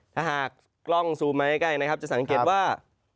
ถ้าหากกล้องซูมมาใกล้นะครับจะสังเกตว่า